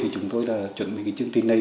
chúng tôi đã chuẩn bị chương trình này